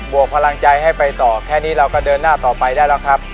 วกพลังใจให้ไปต่อแค่นี้เราก็เดินหน้าต่อไปได้แล้วครับ